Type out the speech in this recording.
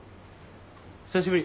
久しぶり。